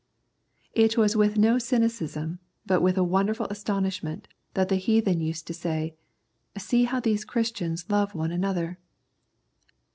It was with no cynicism, but with a wonderful astonishment, that the heathen used to say, " See how these Christians love one another."